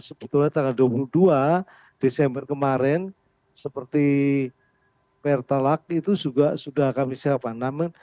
sebetulnya tanggal dua puluh dua desember kemarin seperti pertalak itu juga sudah kami siapkan nama